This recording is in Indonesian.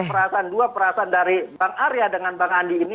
perasaan dua perasaan dari bang arya dengan bang andi ini